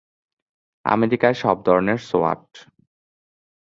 আমেরিকার সব ধরনের সোয়াট।